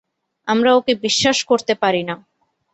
আমরা ওকে বিশ্বাস করতে পারি না।